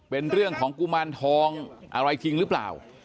เป็นเรื่องของกุมารทองอะไรจริงหรือเปล่า